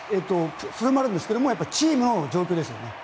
それもあるんですけどチームの状況ですよね。